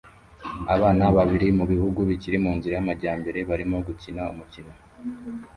Abana babiri mubihugu bikiri mu nzira y'amajyambere barimo gukina umukino